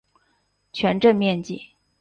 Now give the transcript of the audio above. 全镇面积。